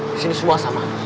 di sini semua sama